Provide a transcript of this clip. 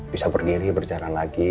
bisa berdiri berjalan lagi